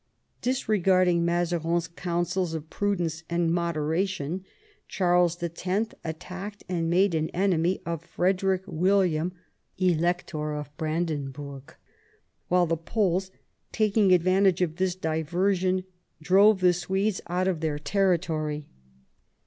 Disregarding Mazarin's counsels of prudence and moderation, Charles X. attacked and made an enemy of Frederick William, Elector of Brandenburg ; while the Poles, taking advantage of this diversion, drove the Swedes out of their territory.